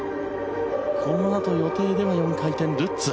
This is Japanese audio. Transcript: このあと予定では４回転ルッツ。